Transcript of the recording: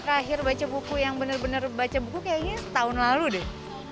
akhir baca buku yang bener bener baca buku kayaknya setahun lalu deh